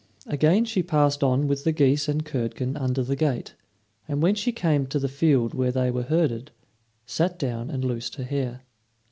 Again she passed on with the geese and Curdken under the gate, and when she came to the field where they were herded, sat down and loosed her hair.